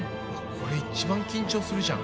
これ一番緊張するじゃん。